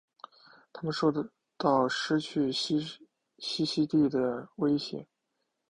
它们受到失去栖息地的威胁。